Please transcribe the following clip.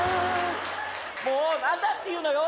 もう何だっていうのよ。